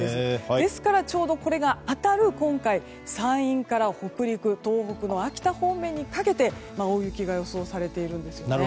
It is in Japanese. ですから、今回ちょうどこれが当たる山陰から北陸東北の秋田方面にかけて大雪が予想されているんです。